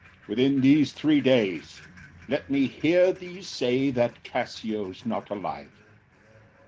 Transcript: Within these three days let me hear thee say That Cassio’s not alive.